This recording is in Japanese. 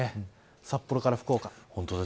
札幌から福岡。